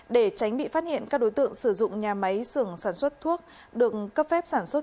để tránh bị phát hiện các đối tượng sử dụng nhà máy sưởng sản xuất thuốc được cấp phép sản xuất